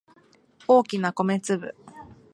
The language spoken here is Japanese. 大きな米粒